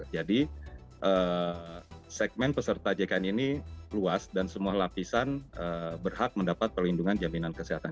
jadi segmen peserta jkn ini luas dan semua lapisan berhak mendapat perlindungan jaminan kesehatan